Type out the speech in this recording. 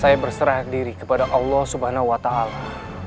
saya berserah diri kepada allah subhanahu wa ta'ala